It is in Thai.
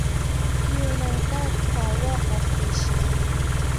ยูไนเต็ด เพาเวอร์ ออฟ เอเชีย